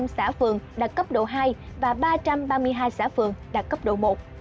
hai trăm bốn mươi năm xã phường đạt cấp độ hai và ba trăm ba mươi hai xã phường đạt cấp độ một